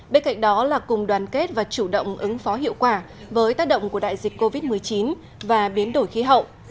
bên cạnh đó là cùng đoàn kết và chủ động ứng phó hiệu quả với tác động của đại dịch covid một mươi chín và biến đổi khí hậu